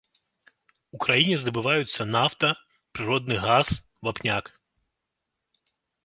У краіне здабываюцца нафта, прыродны газ, вапняк.